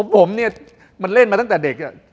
ผมเนี่ยมันเล่นมาตั้งแต่เด็ก